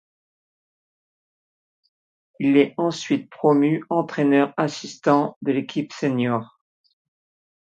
Il est ensuite promu entraîneur-assistant de l'équipe senior.